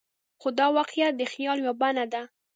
خو دا واقعیت د خیال یوه بڼه ده.